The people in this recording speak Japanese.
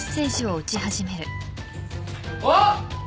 あっ！